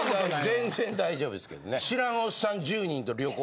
全然大丈夫ですけどね。